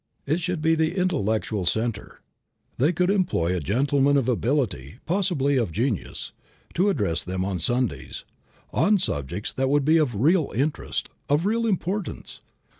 It should be the intellectual centre. They could employ a gentleman of ability, possibly of genius, to address them on Sundays, on subjects that would be of real interest, of real importance.